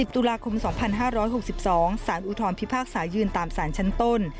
ตุลาคม๒๕๖๒สารอุทธรพิพากษายืนตามสารชั้นต้น